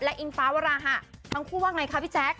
อิงฟ้าวราหะทั้งคู่ว่าไงคะพี่แจ๊ค